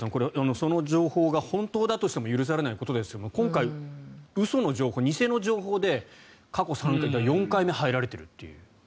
その情報が本当だとしても許されないことですが今回、嘘の情報、偽の情報で過去３回４回目に入られているという。